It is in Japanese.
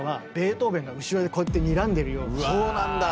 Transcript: そうなんだ。